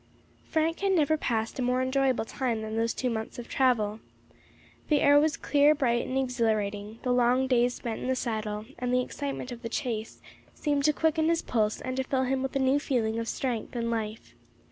Frank had never passed a more enjoyable time than those two months of travel. The air was clear, bright, and exhilarating; the long days spent in the saddle, and the excitement of the chase, seemed to quicken his pulse and to fill him with a new feeling of strength and life.